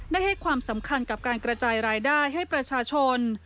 ให้ความสำคัญกับการกระจายรายได้ให้ประชาชน